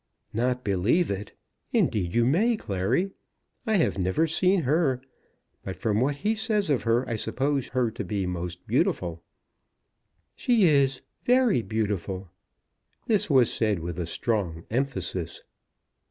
"Not believe it! Indeed you may, Clary. I have never seen her, but from what he says of her I suppose her to be most beautiful." "She is, very beautiful." This was said with a strong emphasis.